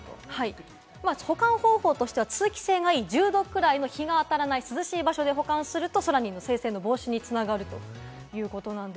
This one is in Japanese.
保管方法としては通気性がいい１０度くらいの日が当たらない涼しい場所で保管するとソラニンの生成の防止に繋がるということです。